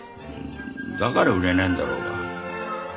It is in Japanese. だから売れないんだろうが。